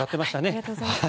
ありがとうございます。